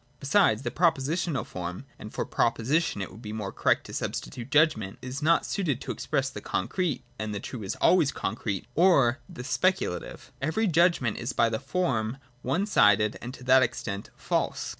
Besides, the propositional form (and for proposition, it would be more correct to sub stitute judgment) is not suited to express the concrete — and the true is always concrete — or the speculative. VOL. II. F 66 FIRST ATTITUDE TO OBJECTIVITY. [31,32 Every judgment is by its form one sided and, to that extent, false.